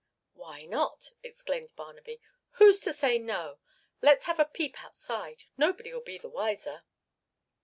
"Why not?" exclaimed Barnaby. "Who's to say no? Let's have a peep outside. Nobody'll be the wiser."